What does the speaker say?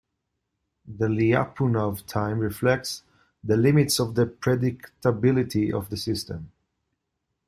The Lyapunov time reflects the limits of the predictability of the system.